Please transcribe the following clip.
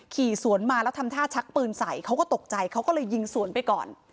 ขี่สวนมาแล้วทำท่าชักปืนใส่เขาก็ตกใจเขาก็เลยยิงสวนไปก่อน